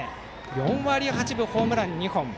４割８分、ホームラン２本。